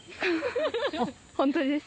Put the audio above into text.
本当です。